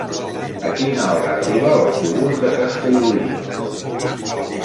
A quina hora arriba l'autobús de Castellolí?